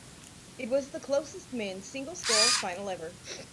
It was the closest men's single scull final ever.